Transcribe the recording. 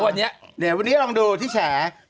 เดี๋ยววันนี้ลองดูที่แฉะ